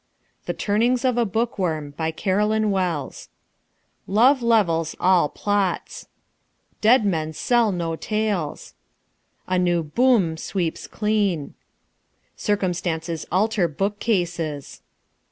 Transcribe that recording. THE TURNINGS OF A BOOKWORM BY CAROLYN WELLS Love levels all plots. Dead men sell no tales. A new boom sweeps clean. Circumstances alter bookcases.